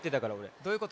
どういうこと？